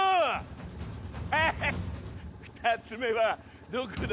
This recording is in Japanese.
ハハッ２つ目はどこだ？